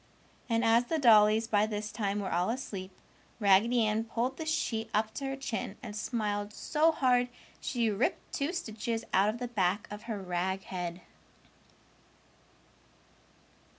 And as the dollies by this time were all asleep, Raggedy Ann pulled the sheet up to her chin and smiled so hard she ripped two stitches out of the back of her rag head.